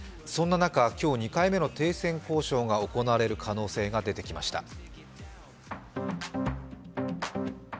そんな中、今日２回目の停戦交渉が行われる可能性が出てきました。